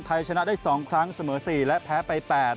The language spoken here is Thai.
ชนะได้๒ครั้งเสมอ๔และแพ้ไป๘